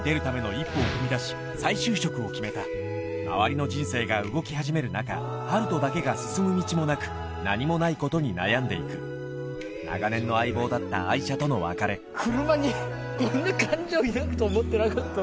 一歩を踏み出し再就職を決めた周りの人生が動き始める中春斗だけが進む道もなく何もないことに悩んで行く長年の相棒だった愛車との別れ車にこんな感情抱くと思ってなかったわ。